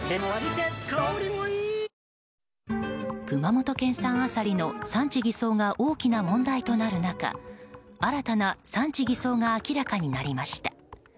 熊本県産アサリの産地偽装が大きな問題となる中新たな産地偽装が明らかになりました。